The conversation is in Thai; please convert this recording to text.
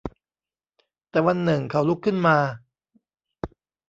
แต่วันหนึ่งเขาลุกขึ้นมา